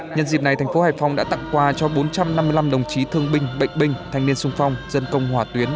nhân dịp này thành phố hải phòng đã tặng quà cho bốn trăm năm mươi năm đồng chí thương binh bệnh binh thanh niên sung phong dân công hỏa tuyến